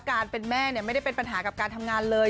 การเป็นแม่ไม่ได้เป็นปัญหากับการทำงานเลย